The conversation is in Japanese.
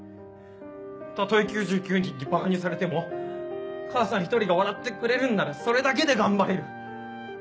たとえ９９人にばかにされても母さん１人が笑ってくれるんならそれだけで頑張れる。